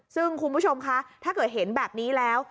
ซึ่งคุณผู้ชมคะถ้าเกิดเห็นแบบนี้แล้ว